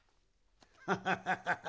ハハハハハ！